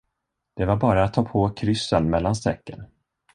Det var bara att ta på kryssen mellan strecken.